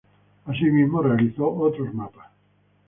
Asimismo realizó otros mapas.